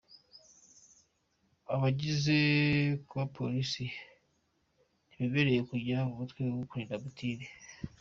Abigeze kuba abapolisi ntibemerewe kujya mu mutwe urinda Perezida Putin.